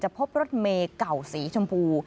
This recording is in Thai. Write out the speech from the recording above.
จะพบรถเมเก่าสีชมพู